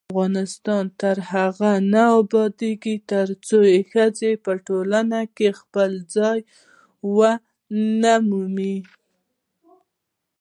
افغانستان تر هغو نه ابادیږي، ترڅو ښځې په ټولنه کې خپل ځای ونه مومي.